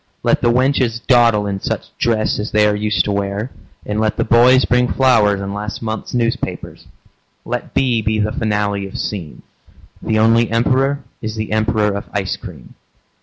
Let the wenches dawdle in such dress As they are used to wear, and let the boys Bring flowers in last month's newspapers. Let be be the finale of seem. The only emperor is the emperor of ice cream.